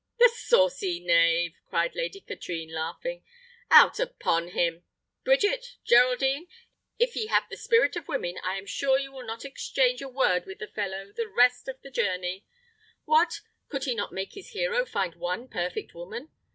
"The saucy knave!" cried Lady Katrine, laughing. "Out upon him! Bridget, Geraldine, if ye have the spirit of women, I am sure ye will not exchange a word with the fellow the rest of the journey? What! could he not make his hero find one perfect woman?